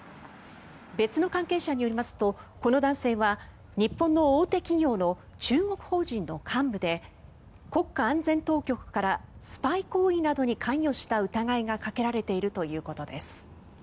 別の関係者によりますとこの男性は日本の大手企業の中国法人の幹部で国家安全当局からスパイ行為などに関与した疑いがかけられているということです。